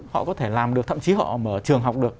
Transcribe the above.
họ có thể làm được thậm chí họ mở trường học được